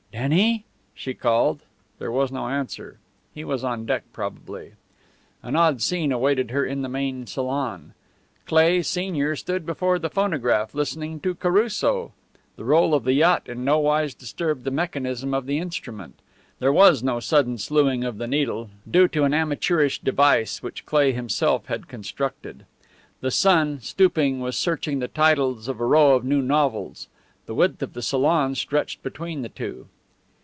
"Denny?" she called. There was no answer. He was on deck, probably. An odd scene awaited her in the main salon. Cleigh, senior, stood before the phonograph listening to Caruso. The roll of the yacht in nowise disturbed the mechanism of the instrument. There was no sudden sluing of the needle, due to an amateurish device which Cleigh himself had constructed. The son, stooping, was searching the titles of a row of new novels. The width of the salon stretched between the two.